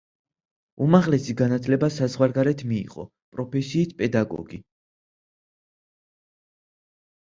უმაღლესი განათლება საზღვარგარეთ მიიღო; პროფესიით პედაგოგი.